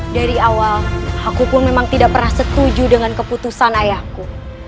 dari awal aku pun memang tidak pernah setuju dengan keputusan ayahku